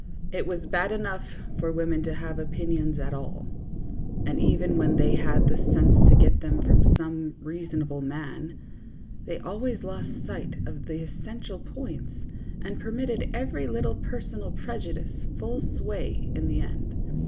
It was bad enough for women to have opinions at all, and even when they had the sense to get them from some reason able man, they always lost sight of the essential points, and permitted every little personal prejudice full sway in the end.